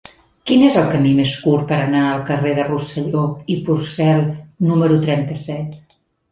Quin és el camí més curt per anar al carrer de Rosselló i Porcel número trenta-set?